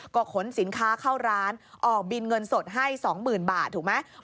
ก็ขนสินค้าเข้าร้านออกบินเงินสดให้๒๐๐๐บาทถูกไหม